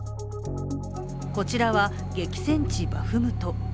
こちらは激戦地バフムト。